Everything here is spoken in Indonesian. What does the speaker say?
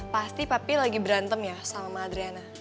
pasti papi lagi berantem ya sama mama adriana